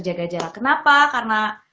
jaga jarak kenapa karena